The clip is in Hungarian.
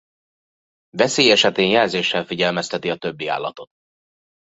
Veszély esetén jelzéssel figyelmezteti a többi állatot.